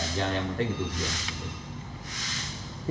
kalau luka lebar juga mau malam